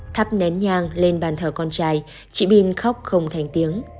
thắp nén nhang lên bàn thờ con trai chị bin khóc không thành tiếng